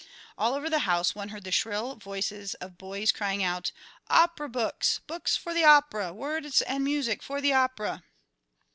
All over the house one heard the shrill voices of boys crying out, "Op'ra books books for the op'ra words and music for the op'ra."